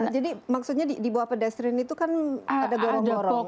jadi maksudnya di bawah pedestrian itu kan ada dorong dorong